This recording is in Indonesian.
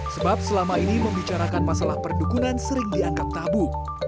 sebab selama ini membicarakan masalah perdukunan sering dianggap tabu